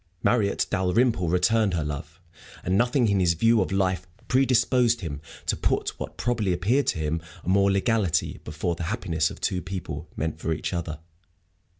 Marriott Dalrymple returned her love, and nothing in his view of life predisposed him to put what probably appeared to him a mere legality before the happiness of two people meant for each other.